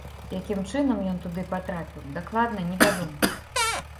Якім чынам ён туды патрапіў, дакладна невядома.